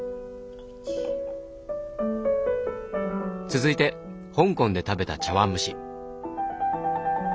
続いて香港で食べた茶碗蒸し。